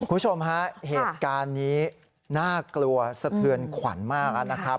คุณผู้ชมฮะเหตุการณ์นี้น่ากลัวสะเทือนขวัญมากนะครับ